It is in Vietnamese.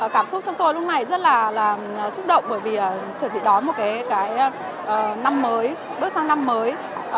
cảm xúc trong tôi lúc này rất là xúc động bởi vì chuẩn bị đón một cái năm mới bước sang năm mới